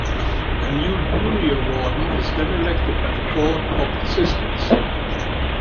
A new Junior Warden is then elected by the Court of Assistants.